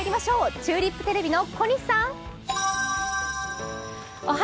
チューリップテレビの小西さん。